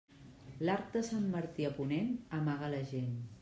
L'arc de Sant Martí a ponent amaga la gent.